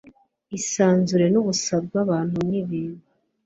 isanzure nubuswa bwa bantu nibintu